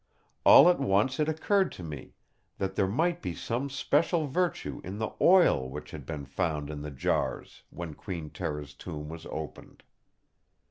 All at once it occurred to me that there might be some special virtue in the oil which had been found in the jars when Queen Tera's tomb was opened.